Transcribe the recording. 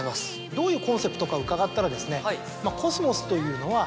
どういうコンセプトか伺ったら。